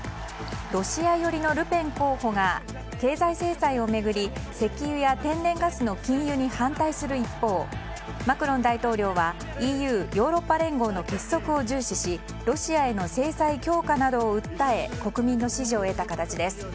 ロシア寄りのルペン候補が経済制裁を巡り石油や天然ガスの禁輸に反対する一方マクロン大統領はＥＵ・ヨーロッパ連合の結束を重視しロシアへの制裁強化などを訴え国民の支持を得た形です。